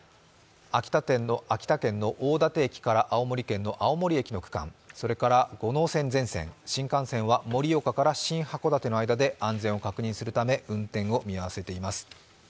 秋田県の大館駅の青森県の青森駅の区間、それから五能線全線、新幹線は盛岡から新函館の間で安全を確認するため、運転を見合わせています。